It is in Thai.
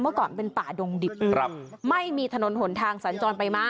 เมื่อก่อนเป็นป่าดงดิบไม่มีถนนหนทางสัญจรไปมา